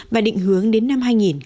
và định hướng đến năm hai nghìn ba mươi